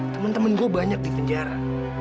temen temen gue banyak di penjara